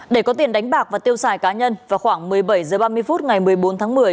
để có tiền đánh bạc và tiêu xài cá nhân vào khoảng một mươi bảy h ba mươi phút ngày một mươi bốn tháng một mươi